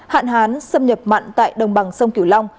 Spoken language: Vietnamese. hạn hán xâm nhập mặn tại đồng bằng sông kiểu long